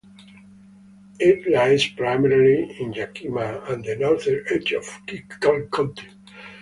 It lies primarily in Yakima and the northern edge of Klickitat counties.